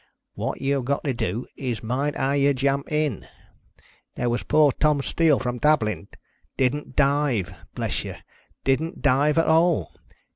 What you have got to do, is to mind how you jump in ! There was poor Tom Steele from Dublin. Didn't dive ! Bless you, didn't dive at all